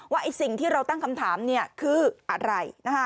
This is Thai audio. ว่าไอ้สิ่งที่เราตั้งคำถามเนี่ยคืออะไร